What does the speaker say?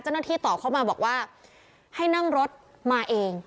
เจ้าหน้าที่ตอบเข้ามาบอกว่าให้นั่งรถมาเอง